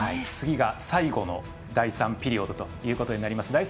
次が最後の第３ピリオドということになります。